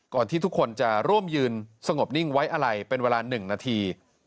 ที่ทุกคนจะร่วมยืนสงบนิ่งไว้อะไรเป็นเวลา๑นาที